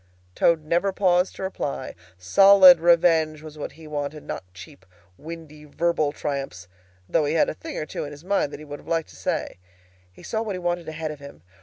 Toad never paused to reply. Solid revenge was what he wanted, not cheap, windy, verbal triumphs, though he had a thing or two in his mind that he would have liked to say. He saw what he wanted ahead of him.